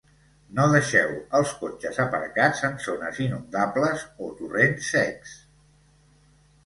No deixeu els cotxes aparcats en zones inundables o torrents secs.